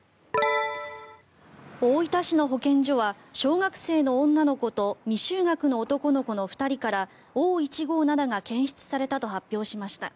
大分市の保健所は小学生の女の子と未就学の男の子の２人からＯ−１５７が検出されたと発表しました。